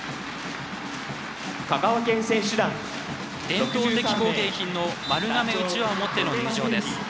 伝統的工芸品の丸亀うちわを持っての入場です。